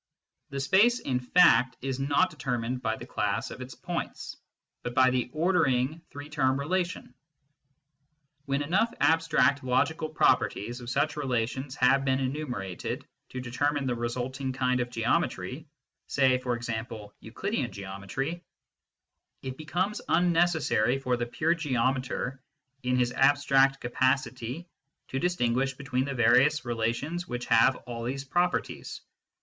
The space in fact is not determined by the class of its points, but by the ordering three term rela tion. When enough abstract logical properties of such relations have been enumerated to determine the resulting kind of geometry, say, for example, Euclidean geometry, it becomes unnecessary for the pure geometer in his ab stract capacity to distinguish between the various relations which have all these properties.